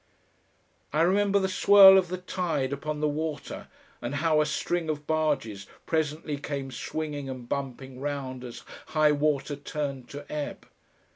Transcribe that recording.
I remember the swirl of the tide upon the water, and how a string of barges presently came swinging and bumping round as high water turned to ebb.